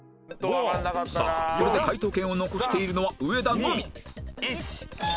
さあこれで解答権を残しているのは上田のみ